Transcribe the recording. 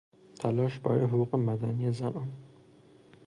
تلاش برای حقوق مدنی زنان